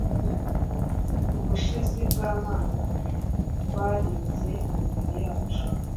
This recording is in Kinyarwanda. Ubushizi bwamanga twaranzeimibiri yacu